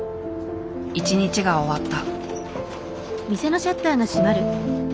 一日が終わった。